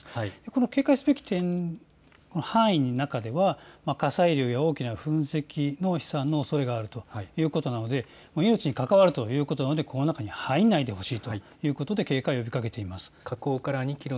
この警戒すべき範囲の中では火砕流や大きな噴石飛散のおそれがあるということなので命に関わるということなのでこの中に入らないでほしいということで警戒を呼びかけています。